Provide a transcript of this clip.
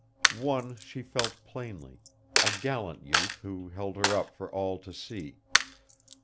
One she felt plainly a gallant youth who held her up for all to see.